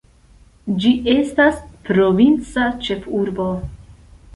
Ĝi estas provinca ĉefurbo.